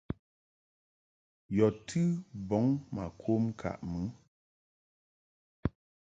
Yɔ̀ tɨ bɔŋ mà kom ŋkàʼ mɨ.